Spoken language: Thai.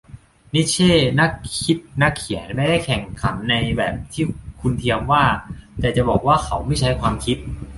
นิทเช่ นักคิดนักเขียนไม่ได้แข่งขันในแบบที่คุณเทียมว่า แต่จะบอกว่าเขาไม่ใช้ความคิด ?